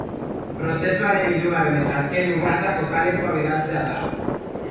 Prozesuaren hirugarren eta azken urratsa kokalekua bidaltzea da.